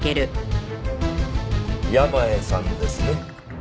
山家さんですね？